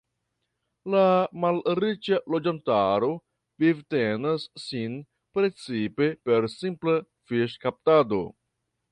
La malriĉa loĝantaro vivtenas sin precipe per simpla fiŝkaptado.